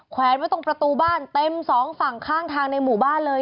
แวนไว้ตรงประตูบ้านเต็มสองฝั่งข้างทางในหมู่บ้านเลย